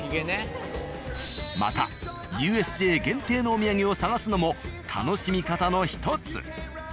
またＵＳＪ限定のお土産を探すのも楽しみ方の１つ。